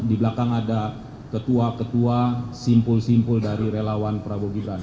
di belakang ada ketua ketua simpul simpul dari relawan prabowo gibran